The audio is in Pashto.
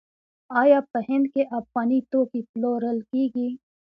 آیا په هند کې افغاني توکي پلورل کیږي؟